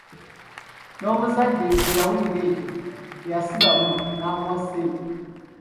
N'omuzadde bwe yawulira ekyo teyasibamu n'amuwa ssente.